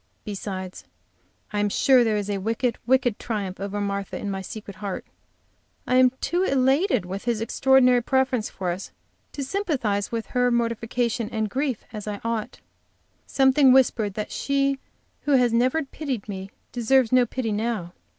Besides, I am sure there is a wicked, wicked triumph over Martha in my secret heart. I am too elated with his extraordinary preference for us, to sympathize with her mortification and grief as ought. Something whispered that she who has never pitied me deserves no pity now.